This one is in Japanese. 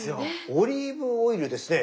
オリーブオイルですね